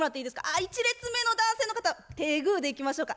あ１列目の男性の方手グーでいきましょうか。